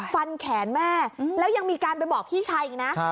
ฟันแขนแม่แล้วยังมีการไปบอกพี่ชายอีกนะ